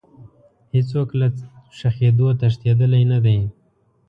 هیڅ څوک له ښخېدو تښتېدلی نه دی.